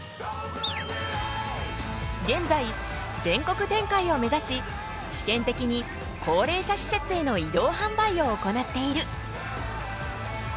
現在全国展開を目指し試験的に高齢者施設への移動販売を行っている。